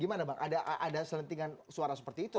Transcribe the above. gimana bang ada selentingan suara seperti itu